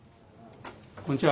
こんにちは